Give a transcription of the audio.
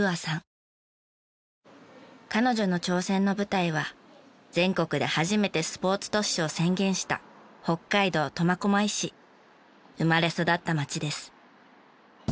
彼女の挑戦の舞台は全国で初めてスポーツ都市を宣言した生まれ育った町です。